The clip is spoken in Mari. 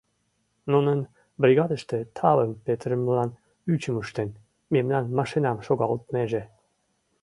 Нунын бригадыште тавым петырымылан ӱчым ыштен, мемнан машинам шогалтынеже.